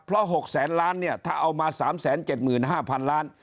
เพราะ๖แสนล้านเนี่ยถ้าเอามา๓๗๕๐๐๐ล้าน